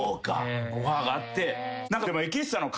オファーがあって。